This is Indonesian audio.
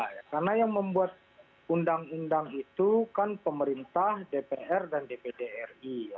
karena yang membuat undang undang itu kan pemerintah dpr dan dpdri